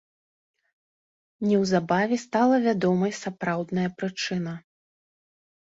Неўзабаве стала вядомай сапраўдная прычына.